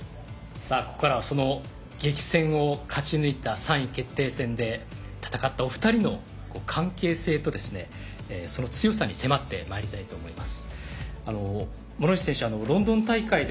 ここからはその激戦を勝ち抜いた３位決定戦で戦ったお二人の関係性とその強さに迫ってまいりたいと思います。